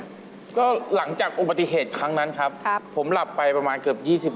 ก็หลังจากอุบัติเหตุครั้งนั้นครับผมหลับไปประมาณเกือบ๒๐